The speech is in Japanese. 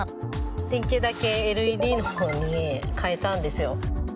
電球だけＬＥＤのほうに変えたんですよ。